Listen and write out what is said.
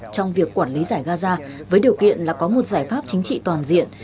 trong việc quản lý giải gaza với điều kiện là có một giải pháp chính trị toàn diện